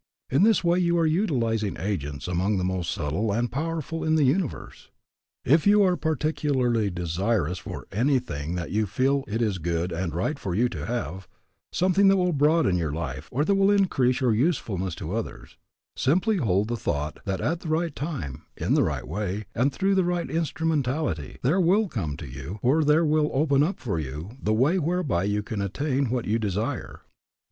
In this way you are utilizing agents among the most subtle and powerful in the universe. If you are particularly desirous for anything that you feel it is good and right for you to have, something that will broaden your life or that will increase your usefulness to others, simply hold the thought that at the right time, in the right way, and through the right instrumentality, there will come to you or there will open up for you the way whereby you can attain what you desire.